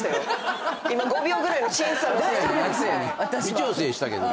微調整したけど。